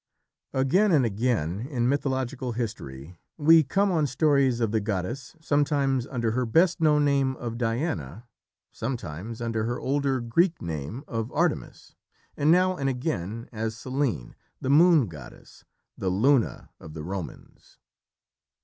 Again and again in mythological history we come on stories of the goddess, sometimes under her best known name of Diana, sometimes under her older Greek name of Artemis, and now and again as Selene, the moon goddess, the Luna of the Romans.